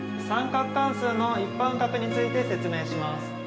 三角関数の一般角について説明します。